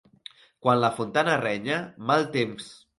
Quan la Fontana renya, mal temps.